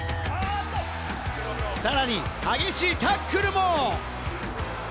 さらに激しいタックルも！